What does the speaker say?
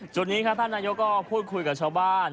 จุดนี้ครับท่านนายกก็พูดคุยกับชาวบ้าน